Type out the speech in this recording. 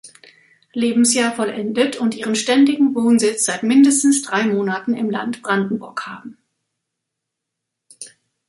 Lebensjahr vollendet und ihren ständigen Wohnsitz seit mindestens drei Monaten im Land Brandenburg haben.